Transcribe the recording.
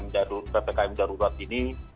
dan ppkm darurat ini